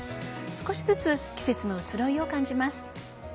少しずつ季節の移ろいを感じます。